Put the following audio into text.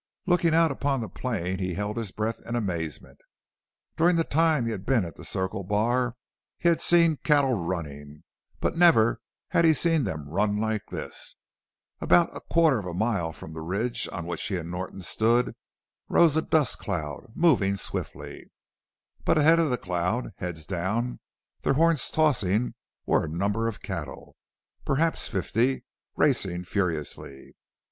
Looking out upon the plain he held his breath in amazement. During the time he had been at the Circle Bar he had seen cattle running, but never had he seen them run like this. About a quarter of a mile from the ridge on which he and Norton stood rose a dust cloud moving swiftly. But ahead of the cloud, heads down, their horns tossing were a number of cattle, perhaps fifty, racing furiously.